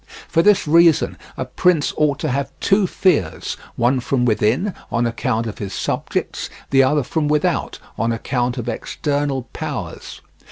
For this reason a prince ought to have two fears, one from within, on account of his subjects, the other from without, on account of external powers.